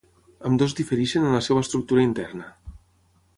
Ambdues difereixen en la seua estructura interna.